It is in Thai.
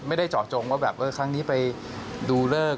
ไม่ได้เจาะจงว่าแบบครั้งนี้ไปดูเลิก